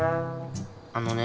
あのね。